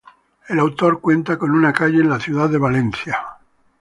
El autor cuenta con una calle en la ciudad de Valencia.